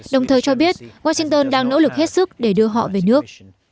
đồng thời cho biết washington đang nỗ lực hết sức để đưa họ về nước